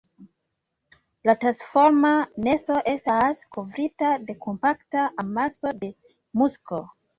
La tasforma nesto estas kovrita de kompakta amaso de musko.